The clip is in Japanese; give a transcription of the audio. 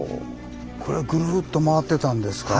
これぐるっと回ってたんですか。